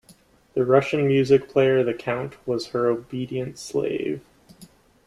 The Russian music player, the Count, was her obedient slave.